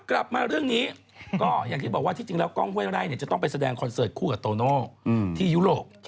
กลับมาเรื่องนี้ก็อย่างที่บอกว่าที่จริงแล้วกล้องห้วยไร่จะต้องไปแสดงคอนเสิร์ตคู่กับโตโน่ที่ยุโรป